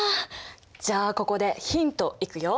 じゃあここでヒントいくよ。